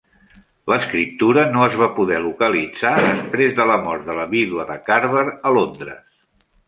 L'escriptura no es va poder localitzar després de la mort de la vídua de Carver a Londres.